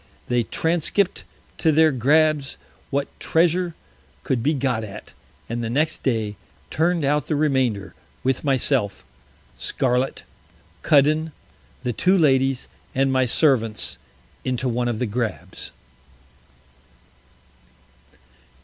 They transkipt to their Grabbs what Treasure could be got at, and the next Day turn'd out the Remainder, with myself, Scarlet, Cuddon, the two Ladies, and my Servants, into one of the Grabbs.